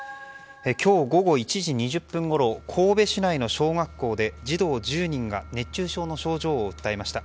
今日午後１時２０分ごろ神戸市内の小学校で児童１０人が熱中症の症状を訴えました。